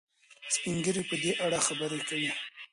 سپین ږیري په دې اړه خبرې کوي.